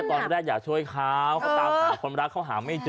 ตอนแรกอยากช่วยเขาเขาตามหาคนรักเขาหาไม่เจอ